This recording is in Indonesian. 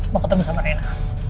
mau ketemu sama rina